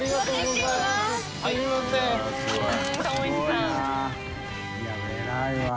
いや偉いわ。